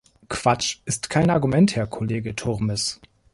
Quatsch, ist kein Argument, Herr Kollege Turmes.